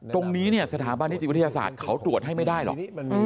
ตรงนี้เนี่ยสถาบันนิติวิทยาศาสตร์เขาตรวจให้ไม่ได้หรอก